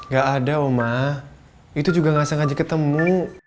gak ada omah itu juga gak sengaja ketemu